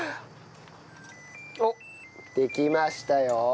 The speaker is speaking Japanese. おっできましたよ。